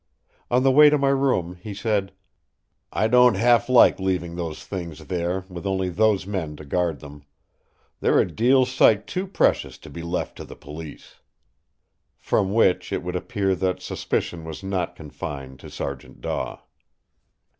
On the way to my room he said: "I don't half like leaving those things there, with only those men to guard them. They're a deal sight too precious to be left to the police!" From which it would appear that suspicion was not confined to Sergeant Daw.